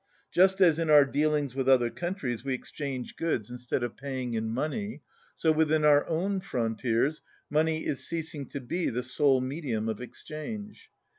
Just as in our dealings with other countries we exchange goods instead of paying in money, so within our own frontiers money is ceasing to be the sole medium of ex change.